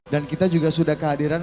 dan kita juga sudah kehadiran